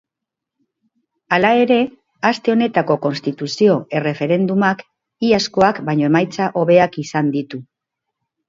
Hala ere, aste honetako konstituzio erreferendumak iazkoak baino emaitza hobeak izan ditu.